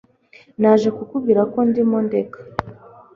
naje kukubwira ko ndimo ndeka